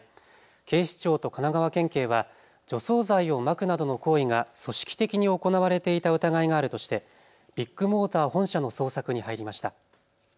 警視庁と神奈川県警は除草剤をまくなどの行為が組織的に行われていた疑いがあるとしてビッグモーター本社の捜索に入りました。